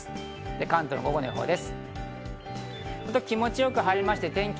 関東の午後の予報です。